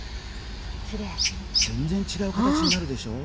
全然違う形になるでしょ？